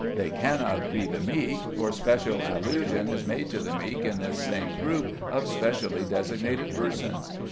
They cannot be the meek, for special allusion is made to the meek in this same group of specially designated persons.